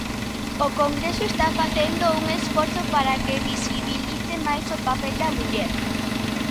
O congreso está facendo un esforzo para que visibilice máis o papel da muller.